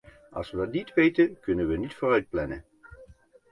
Als we dat niet weten, kunnen we niet vooruit plannen.